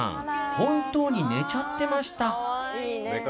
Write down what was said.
本当に寝ちゃってました